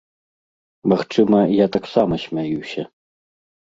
Магчыма, я таксама смяюся.